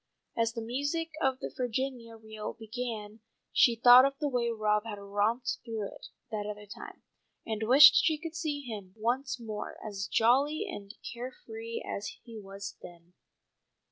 As the music of the Virginia reel began she thought of the way Rob had romped through it that other time, and wished she could see him once more as jolly and care free as he was then.